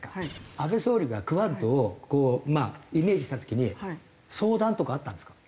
安倍総理がＱＵＡＤをイメージした時に相談とかあったんですか？